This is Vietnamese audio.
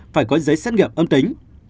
phải có giấy xét nghiệm âm tính